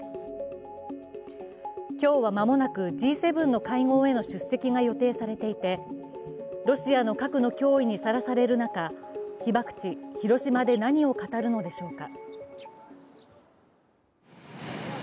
今日は間もなくＧ７の会合への出席が予定されていて、ロシアの核の脅威にさらされる中、被爆地・広島で何を語るのでしょうか。